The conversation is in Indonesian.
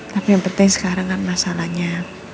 tapi yang penting sekarang kan masalahnya